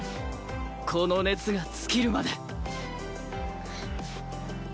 この熱が尽きるまで！